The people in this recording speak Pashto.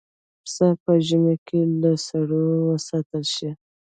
پسه په ژمي کې له سړو وساتل شي.